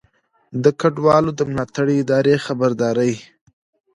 د کډوالو د ملاتړو ادارو خبرداری